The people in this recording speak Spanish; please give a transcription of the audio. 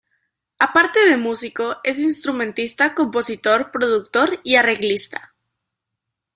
Aparte de músico es instrumentista, compositor, productor y arreglista.